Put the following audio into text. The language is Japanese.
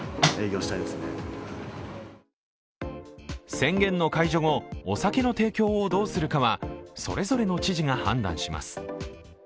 宣言の解除後、お酒の提供をどうするかはそれぞれの知事が判断します。